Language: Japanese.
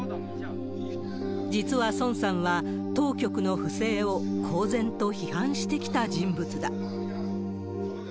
実は孫さんは、当局の不正を公然と批判してきた人物だ。